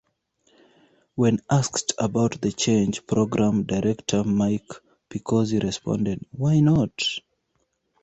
When asked about the change, program director Mike Picozzi responded, Why not?